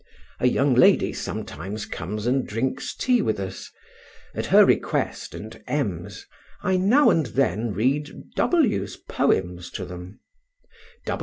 A young lady sometimes comes and drinks tea with us: at her request and M.'s, I now and then read W 's poems to them.